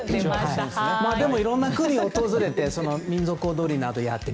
でも、いろんな国を訪れて民族踊りなどをやって。